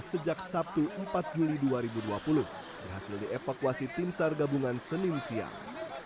sejak sabtu empat juli dua ribu dua puluh dihasil di evakuasi tim sargabungan senin siang